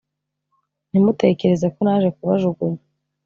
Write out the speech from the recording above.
ntimutekereze ko naje kubajugunya